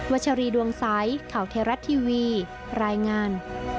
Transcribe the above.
ชรีดวงใสข่าวเทราะทีวีรายงาน